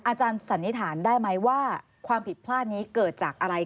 สันนิษฐานได้ไหมว่าความผิดพลาดนี้เกิดจากอะไร